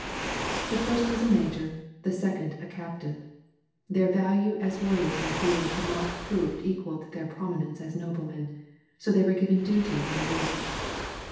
The first was a major, the second a captain. Their value as war riors in the field had not proved equal to their prominence as noblemen, so they were given duty in the rear.